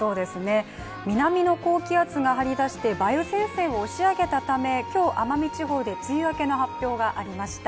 南の高気圧が張り出して梅雨前線を押し上げたため今日、奄美地方で梅雨明けの発表がありました。